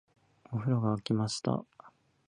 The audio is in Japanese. お風呂が湧きました